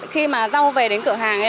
khi mà rau về đến cửa hàng